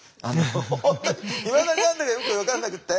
本当にいまだに何だかよく分かんなくって。